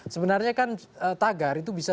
sebenarnya kan tagar itu bisa